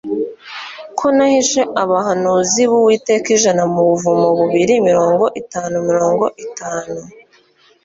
ko nahishe abahanuzi bUwiteka ijana mu buvumo bubiri mirongo itanu mirongo itanu